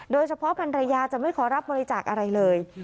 โดยเฉพาะภรรยาจะไม่ขอรับบริจาคอะไรเลย